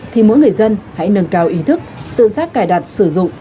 thì mỗi người dân hãy nâng cao ý thức tự giác cài đặt sử dụng